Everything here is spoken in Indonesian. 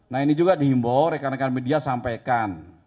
nah ini juga dihimbau rekan rekan media sampaikan